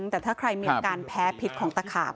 แต่ถ้าใครมีอาการแพ้พิษของตะขาบ